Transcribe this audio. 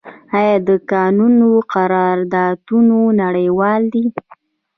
آیا د کانونو قراردادونه نړیوال دي؟